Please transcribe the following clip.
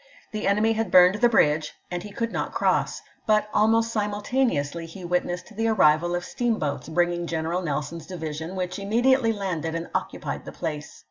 The enemy had burned the bridge and he could not cross; but almost simultaneously he witnessed the arrival of steamboats bringing Greneral Nelson's division, which immediately landed and occupied the place.